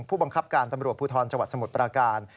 ผู้บังคับการตำรวจภูทรจังหวัดสมุทรปราการ